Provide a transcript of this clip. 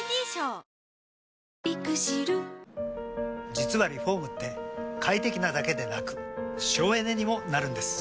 実はリフォームって快適なだけでなく省エネにもなるんです。